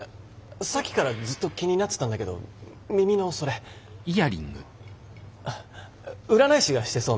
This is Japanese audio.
さっきからずっと気になってたんだけど耳のそれ占い師がしてそうな感じですね。